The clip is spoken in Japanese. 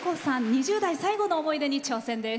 ２０代最後の思い出に挑戦です。